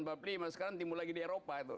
sekarang timbul lagi di eropa itu